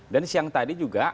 dan siang tadi juga